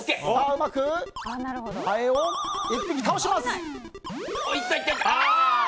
うまくハエを倒します。